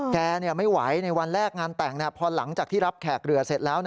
แกไม่ไหวในวันแรกงานแต่งพอหลังจากที่รับแขกเรือเสร็จแล้ว